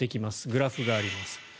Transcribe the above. グラフがあります。